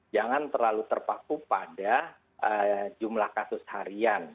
jangan terlalu terpaku pada jumlah kasus harian